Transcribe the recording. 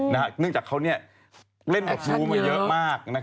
เนื่องจากเขาเล่นกับชู้มาเยอะมาก